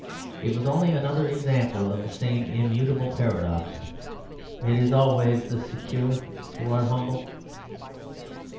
It was only another example of the same immutable paradox. It is always the secure who are humble.